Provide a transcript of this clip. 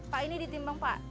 pak ini ditimbang pak